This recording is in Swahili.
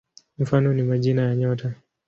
Mfano ni majina ya nyota.